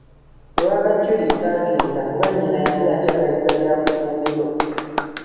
Ewa ba Julie ssaagenda kuba nnyina yali anjagaliza bya kufumbirwa.